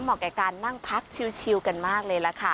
เหมาะแก่การนั่งพักชิวกันมากเลยล่ะค่ะ